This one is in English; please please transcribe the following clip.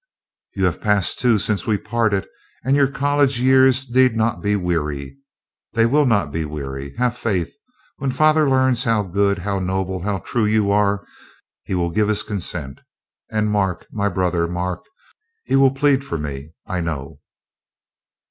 "You have passed two since we parted, and your college years need not be weary. They will not be weary. Have faith. When father learns how good, how noble, how true you are, he will give his consent. And Mark, my brother Mark, he will plead for me, I know."